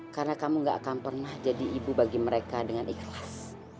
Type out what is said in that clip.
karena kamu gak akan pernah jadi ibu bagi mereka dengan ikhlas